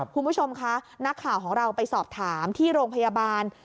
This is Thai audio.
คุณผู้ชมคะนักข่าวของเราไปสอบถามที่โรงพยาบาล